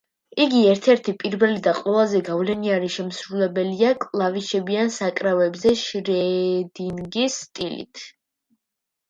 იგი ერთ-ერთი პირველი და ყველაზე გავლენიანი შემსრულებელია კლავიშებიან საკრავებზე შრედინგის სტილით.